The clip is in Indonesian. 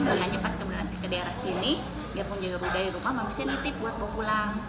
bahannya pas kemudian saya ke daerah sini biarpun juga budaya rumah masih nitip buat bawa pulang